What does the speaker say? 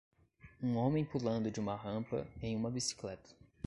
um homem pulando de uma rampa em uma bicicleta